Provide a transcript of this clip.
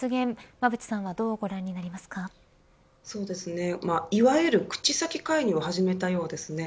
馬渕さんはいわゆる口先介入を始めたようですね。